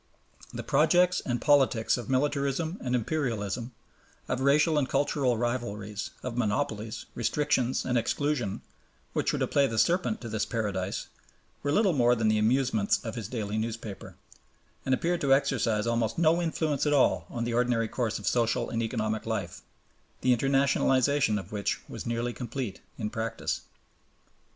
The projects and politics of militarism and imperialism, of racial and cultural rivalries, of monopolies, restrictions, and exclusion, which were to play the serpent to this paradise, were little more than the amusements of his daily newspaper, and appeared to exercise almost no influence at all on the ordinary course of social and economic life, the internationalization of which was nearly complete in practice.